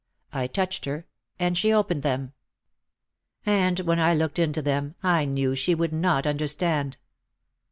I touched her and she opened them. And when I looked into them I knew she would not understand.